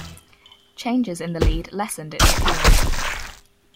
Changes in the lead lessened its appeal.